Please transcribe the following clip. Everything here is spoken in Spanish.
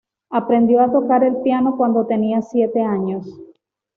Aprendió a tocar el piano cuando tenía siete años.